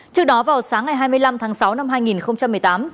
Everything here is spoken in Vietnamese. trước đó vào sáng ngày hai mươi năm tháng sáu năm hai nghìn một mươi tám